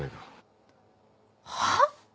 はっ？